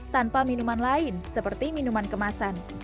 tanpa minuman lain seperti minuman kemasan